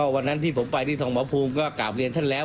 วันนั้นที่ผมไปที่ทองหมอภูมิก็กราบเรียนท่านแล้ว